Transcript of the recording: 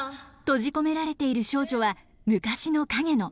閉じ込められている少女は昔のカゲノ。